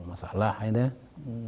namanya dia buat perlanggaran satu masalah